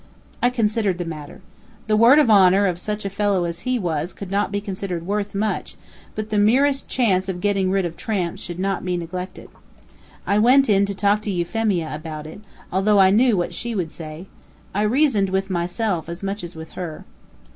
I considered the matter. The word of honor of a fellow such as he was could not be worth much, but the merest chance of getting rid of tramps should not be neglected. I went in to talk to Euphemia about it, although I knew what she would say. I reasoned with myself as much as with her.